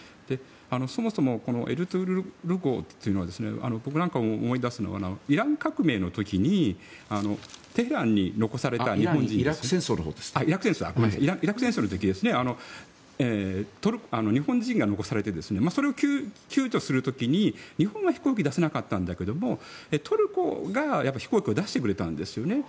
そもそも、この「エルトゥールル号」というのは僕なんか思い出すのはイラク戦争の時にテヘランに残されたイラク戦争の時日本人が残されてそれを救助する時に、日本は飛行機を出せなかったんだけどトルコが飛行機を出してくれたんですね。